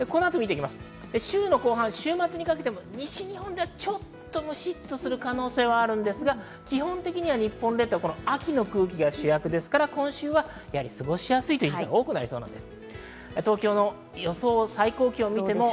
週の後半、週末にかけて西日本ではちょっとむしっとする可能性はあるんですが、基本的には日本列島は秋の空気が主役ですから今週は過ごしやすいという日が多くなりそうです。